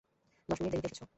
দশ মিনিট দেরীতে এসেছ।